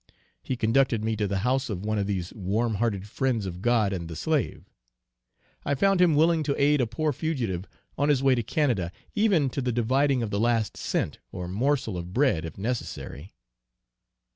He conducted me to the house of one of these warm hearted friends of God and the slave. I found him willing to aid a poor fugitive on his way to Canada, even to the dividing of the last cent, or morsel of bread if necessary.